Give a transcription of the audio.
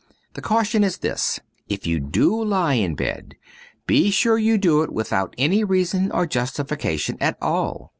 The caution is this : if you do lie in bed, be sure you do it without any reason or justification at all.